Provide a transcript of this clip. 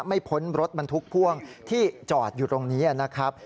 พ้นรถบรรทุกพ่วงที่จอดอยู่ตรงนี้นะครับ